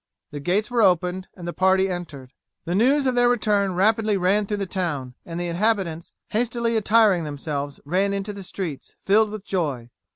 The gates were opened and the party entered. The news of their return rapidly ran through the town, and the inhabitants, hastily attiring themselves, ran into the streets, filled with joy.